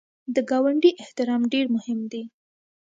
د ګاونډي احترام ډېر مهم دی